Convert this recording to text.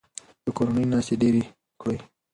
د کورنۍ ناستې ډیرې کړئ.